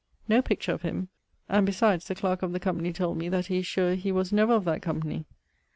No picture of him, and besides the clarke of the Company told me that he is sure he was never of that Company.